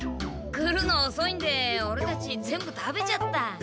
来るのおそいんでオレたち全部食べちゃった。